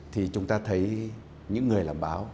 thì chúng ta thấy những người làm báo